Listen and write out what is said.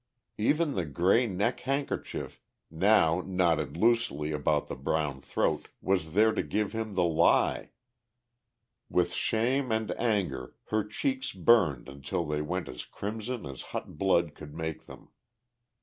Even the grey neck handkerchief, now knotted loosely about the brown throat, was there to give him the lie.... With shame and anger her cheeks burned until they went as crimson as hot blood could make them.